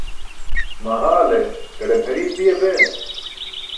Maa haale ḍaḍaṅ hariip biya bee?